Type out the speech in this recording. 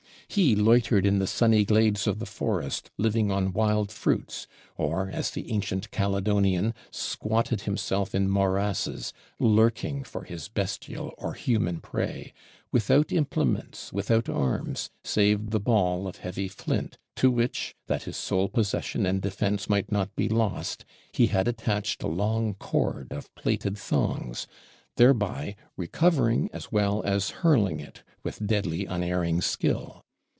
He loitered in the sunny glades of the forest, living on wild fruits; or, as the ancient Caledonian, squatted himself in morasses, lurking for his bestial or human prey; without implements, without arms, save the ball of heavy Flint, to which, that his sole possession and defense might not be lost, he had attached a long cord of plaited thongs; thereby recovering as well as hurling it with deadly unerring skill.